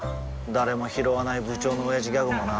誰もひろわない部長のオヤジギャグもな